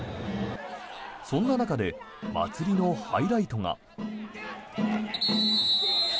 そんな中で祭りのハイライトが。